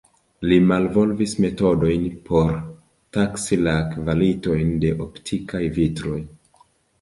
Li malvolvis metodojn por taksi la kvalitojn de optikaj vitroj.